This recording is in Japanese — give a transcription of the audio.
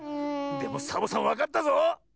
でもサボさんわかったぞ！